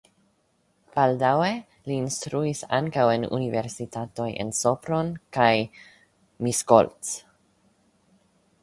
Baldaŭe li instruis ankaŭ en universitatoj en Sopron kaj Miskolc.